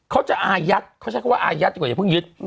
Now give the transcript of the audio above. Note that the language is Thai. เขาจะอายัดเขาใช้คำว่าอายัดดีกว่าอย่าเพิ่งยึด